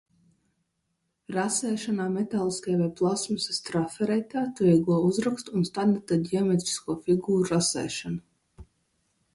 Rasēšanā metāliskie vai plastmasas trafareti atvieglo uzrakstu un standarta ģeometrisko figūru rasēšanu.